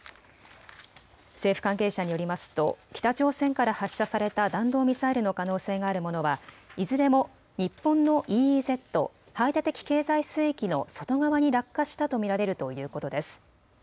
政府関係者によりますと北朝鮮から発射された弾道ミサイルの可能性があるものはいずれも日本のＥＥＺ・排他的経済水域の外側に落下したと見られるということです。